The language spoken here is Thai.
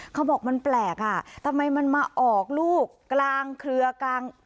เขาบอกมันแปลกอ่ะทำไมมันมาออกลูกกลางเครือกลาง